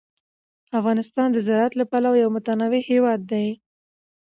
افغانستان د زراعت له پلوه یو متنوع هېواد دی.